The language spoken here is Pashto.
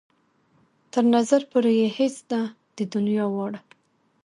تر نظر پورې يې هېڅ ده د دنيا واړه.